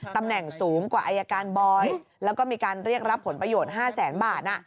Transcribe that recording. ตำแหน่งสูงกว่าอายการบอยแล้วก็มีการเรียกรับผลประโยชน์๕แสนบาท